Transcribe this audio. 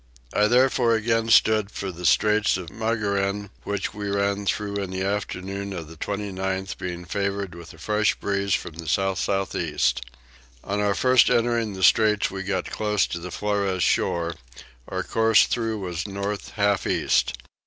I therefore again stood for the Straits of Mangaryn which we ran through in the afternoon of the 29th, being favoured with a fresh breeze from the south south east. On our first entering the straits we got close to the Flores shore: our course through was north half east.